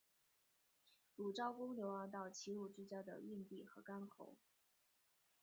鲁昭公流亡到齐鲁之交的郓地和干侯。